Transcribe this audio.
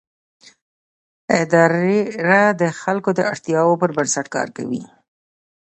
اداره د خلکو د اړتیاوو پر بنسټ کار کوي.